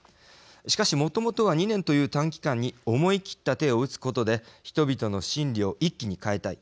しかし、もともとは２年という短期間に思い切った手を打つことで人々の心理を一気に変えたい。